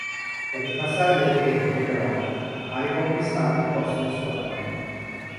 Con il passare del tempo, però, ha riconquistato il posto in squadra.